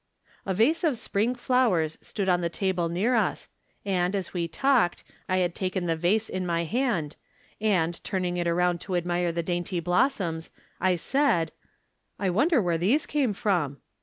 A vase of spring flowers stood on the table near us, and, as we talked, I had taken the vase in my hand, and, turning it around to admire the dainty blossoms, I said :" I wonder where these came from